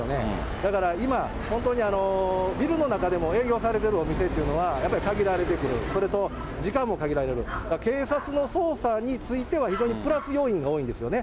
だから今、本当にビルの中でも営業されているお店というのは、やっぱり限られてくる、時間も限られる、それから警察の捜査についても、非常にプラス要因が多いんですよね。